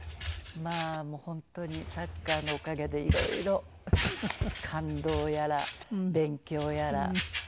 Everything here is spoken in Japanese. まあもう本当にサッカーのおかげでいろいろ感動やら勉強やら。